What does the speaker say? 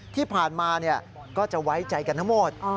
ที่ผ่านมาก็จะไว้ใจกันทั้งหมด